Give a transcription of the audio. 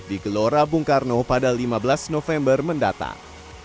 di gelora bung karno pada lima belas november mendatang